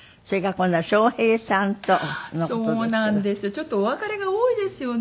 ちょっとお別れが多いですよね。